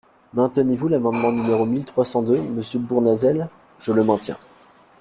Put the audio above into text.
Maintenez-vous l’amendement numéro mille trois cent deux, monsieur Bournazel ? Je le maintiens.